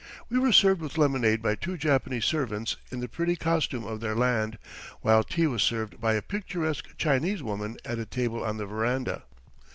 We were served with lemonade by two Japanese servants in the pretty costume of their land, while tea was served by a picturesque Chinese woman at a table on the veranda.